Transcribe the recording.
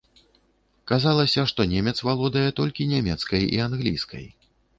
Казалася, што немец валодае толькі нямецкай і англійскай.